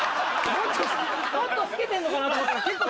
もっと老けてんのかなと思ったら結構。